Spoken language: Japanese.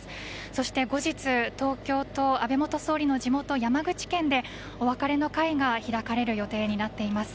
そして後日、東京と安倍元総理の地元山口県でお別れの会が開かれる予定となっています。